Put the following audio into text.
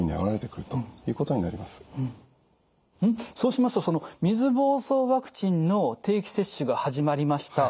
そうしますと水ぼうそうワクチンの定期接種が始まりました。